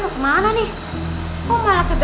hai gimana diesem belum denger ceritanya